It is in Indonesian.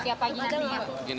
setiap paginya nih ya pak